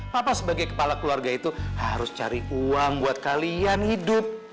papa sebagai kepala keluarga itu harus cari uang buat kalian hidup